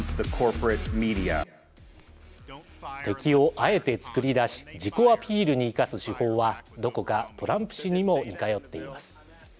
敵をあえて作り出し自己アピールに生かす手法はどこかトランプ氏にも似通っています。